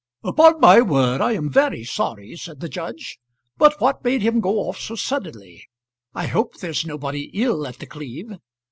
"Upon my word I am very sorry," said the judge. "But what made him go off so suddenly? I hope there's nobody ill at The Cleeve!"